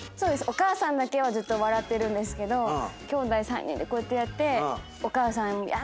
お母さんだけはずっと笑ってるんですけどきょうだい３人でこうやってやって。